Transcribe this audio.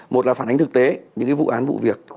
một là phản ánh thực tế những vụ án vụ việc